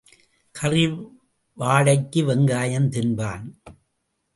கறி வாடைக்கு வெங்காயம் தின்பான்.